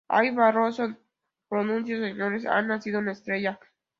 Ary Barroso pronunció: ""Señores, ha nacido una estrella"".